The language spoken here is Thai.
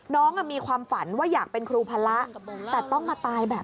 น้องเอะมีความฝันว่าอยากเป็นครูพาละ